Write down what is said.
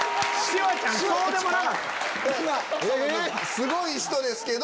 すごい人ですけど。